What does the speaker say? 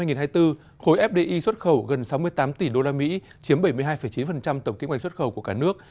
khối fdi xuất khẩu gần sáu mươi tám tỷ usd chiếm bảy mươi hai chín tổng kinh hoạch xuất khẩu của cả nước